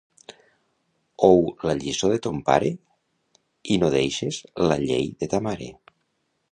Ou la lliçó de ton pare i no deixes la llei de ta mare.